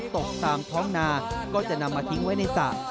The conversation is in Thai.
ตกตามท้องนาก็จะนำมาทิ้งไว้ในสระ